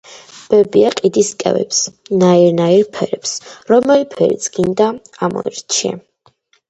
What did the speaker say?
ბებია ყიდის კევებს ნაირ ნაირ ფერებს რომელი ფერიც გინდა ამოირჩიე